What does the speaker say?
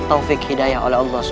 taufik hidayah oleh allah sw